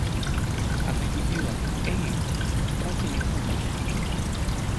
Akajibiwa, “Enh, kwake ni huku